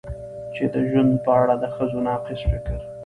چې د ژوند په اړه د ښځو ناقص فکر